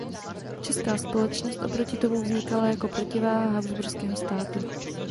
Česká společnost oproti tomu vznikala jako protiváha habsburského státu.